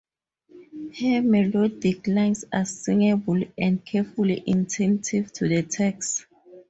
Her melodic lines are singable and carefully attentive to the text.